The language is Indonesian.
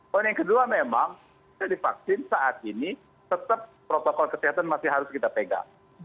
poin yang kedua memang kita divaksin saat ini tetap protokol kesehatan masih harus kita pegang